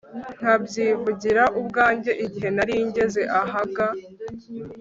nkabyivugira ubwanjye igihe nari ngeze ahaga